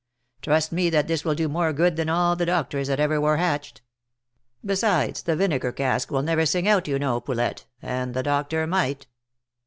Trust me that this will do more good than all the doctors that ever were hatched. Besides the vinegar cask will never sing out you know, Poulet, and the doctor might."